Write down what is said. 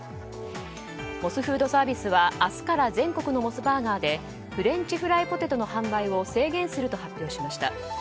モスフードサービスは明日から全国のモスバーガーでフレンチフライドポテトの販売を制限すると発表しました。